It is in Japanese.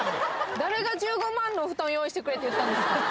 誰が１５万の布団用意してくれって言ったんですか。